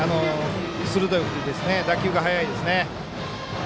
鋭い振りで打球が速いですね。